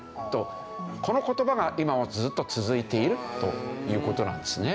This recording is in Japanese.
この言葉が今もずっと続いているという事なんですね。